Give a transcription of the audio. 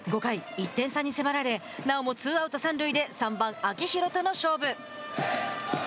１点差に迫られなおもツーアウト、三塁で３番、秋広との勝負。